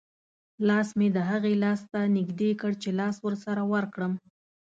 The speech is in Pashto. لاس مې د هغې لاس ته نږدې کړ چې لاس ورسره ورکړم.